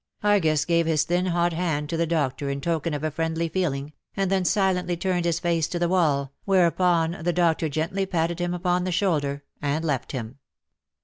Angus gave his thin hot hand to the doctor in 11 token of friendly feeling, and then silently turned his face to the wall, whereupon the doctor gently patted him upon the shoulder and left him.